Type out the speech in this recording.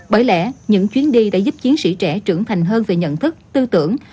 bởi lẽ những chuyến đi đã giúp chiến sĩ trẻ trưởng thành hơn về nhận thức tư tưởng